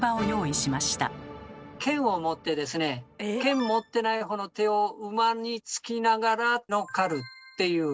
剣を持ってですね剣持ってないほうの手を馬につきながら乗っかるっていう。